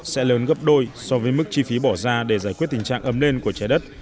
sẽ lớn gấp đôi so với mức chi phí bỏ ra để giải quyết tình trạng ấm lên của trái đất